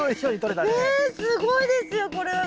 すごいですよこれは。